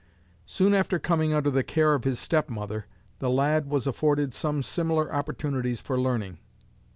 Soon after coming under the care of his step mother, the lad was afforded some similar opportunities for learning.